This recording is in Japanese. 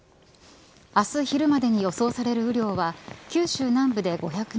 明日昼までに予想される雨量は九州南部で５００ｍｍ